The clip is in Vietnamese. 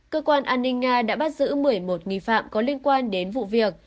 cơ quan an ninh nga đã bắt giữ một mươi một nghi phạm có liên quan đến vụ việc